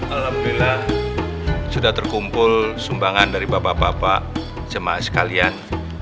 alhamdulillah sudah terkumpul sumbangan dari bapak bapak jemaah sekalian